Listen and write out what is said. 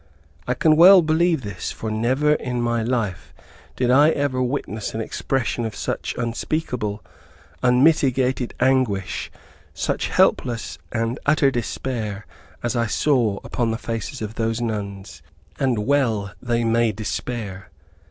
I can well believe this, for never in my life did I ever witness an expression of such unspeakable, unmitigated anguish, such helpless and utter despair as I saw upon the faces of those nuns. And well they may despair.